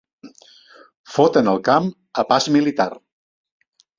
Foten el camp a pas militar.